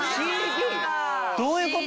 どういう事？